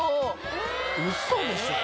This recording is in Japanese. ウソでしょ。